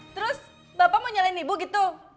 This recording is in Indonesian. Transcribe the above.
terus bapak mau nyalain ibu gitu